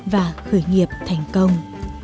và khởi nghiệp thành công